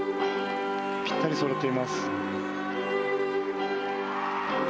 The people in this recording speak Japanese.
ぴったりそろっています。